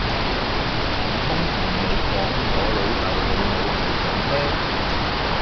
唔通同你講我老豆老母係噉咩！